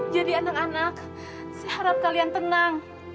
jadi anak anak saya harap kalian tenang